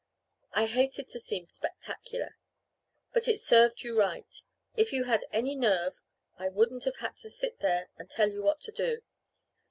I hated to seem spectacular, but it served you right. If you'd had any nerve I wouldn't have had to sit there and tell you what to do.